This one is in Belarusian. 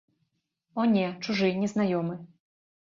О не, чужы, незнаёмы.